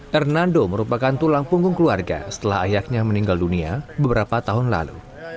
hernando merupakan tulang punggung keluarga setelah ayahnya meninggal dunia beberapa tahun lalu